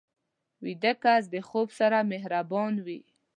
ویده کس د خوب سره مهربان وي